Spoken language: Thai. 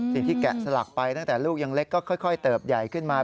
แกะสลักไปตั้งแต่ลูกยังเล็กก็ค่อยเติบใหญ่ขึ้นมา